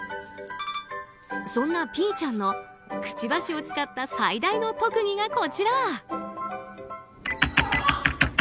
そんなピーちゃんのくちばしを使った最大の特技がこちら。